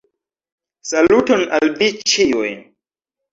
Saluton al vi ĉiuj!